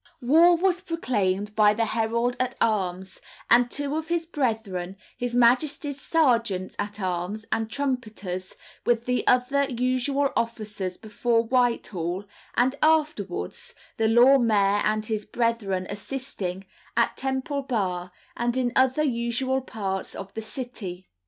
War was proclaimed by the herald at arms and two of his brethren, his majesty's sergeants at arms, and trumpeters, with the other usual officers before Whitehall, and afterwards (the Lord Mayor and his brethren assisting) at Temple Bar, and in other usual parts of the City.